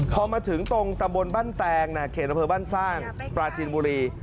พอมาถึงตรงตะบนบั้นแตงนะเขตระเผิดบั้นสร้างปลาจีนบุรี